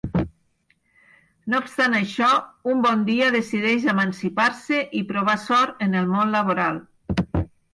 No obstant això, un bon dia decideix emancipar-se i provar sort en el món laboral.